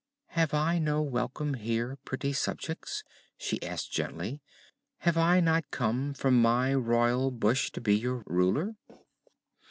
"Have I no welcome here, pretty subjects?" she asked gently. "Have I not come from my Royal Bush to be your Ruler?"